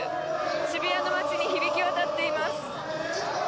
渋谷の街に響き渡っています。